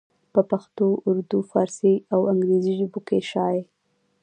پۀ پښتو اردو، فارسي او انګريزي ژبو کښې شايع